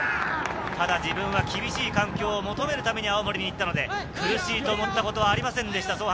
ただ自分は厳しい環境を求めるために青森に行ったので、苦しいと思ったことはありませんでした。